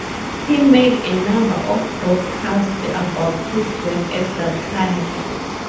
He made a number of broadcasts about his work at that time.